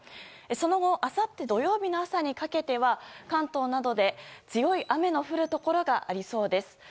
その後、あさって土曜日の朝にかけて関東などで強い雨の降るところがありそうです。